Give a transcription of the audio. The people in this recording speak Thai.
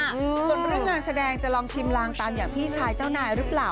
ส่วนเรื่องงานแสดงจะลองชิมลางตามอย่างพี่ชายเจ้านายหรือเปล่า